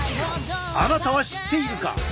あなたは知っているか？